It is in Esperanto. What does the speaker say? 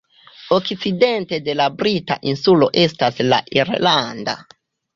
Okcidente de la brita insulo estas la irlanda.